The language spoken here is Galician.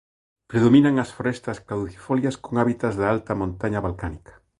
Predominan as forestas caducifolias con hábitats da alta montaña balcánica.